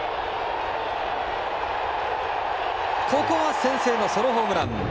ここは先制のソロホームラン。